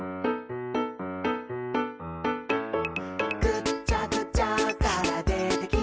「ぐっちゃぐちゃからでてきたえ」